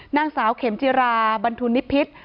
นางสาวเข็มจิราบันทุนนิพิษ